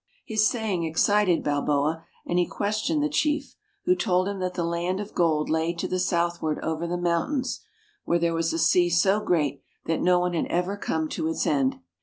His saying excited Balboa, and he questioned the chief, who told him that the land of gold lay to the southward over the mountains, where there was a sea so great that no one had ever come to its end.